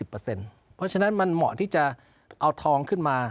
เพราะฉะนั้นมันเหมาะที่จะเอาทองขึ้นมา